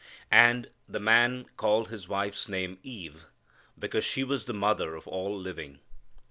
... "And the man called his wife's name Eve; because she was the mother of all living."